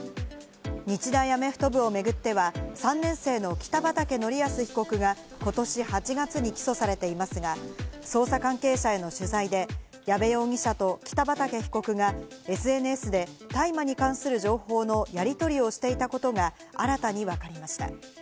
日大アメフト部を巡っては、３年生の北畠成文被告がことし８月に起訴されていますが、捜査関係者への取材で矢部容疑者と北畠被告がＳＮＳで大麻に関する情報のやり取りをしていたことが新たにわかりました。